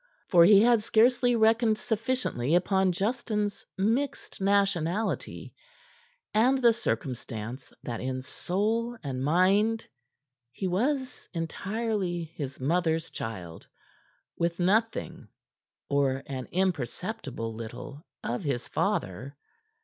For he had scarcely reckoned sufficiently upon Justin's mixed nationality and the circumstance that in soul and mind he was entirely his mother's child, with nothing or an imperceptible little of his father.